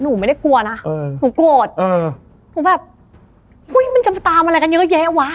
หนูไม่ได้กลัวนะหนูโกรธเออหนูแบบอุ้ยมันจะไปตามอะไรกันเยอะแยะวะ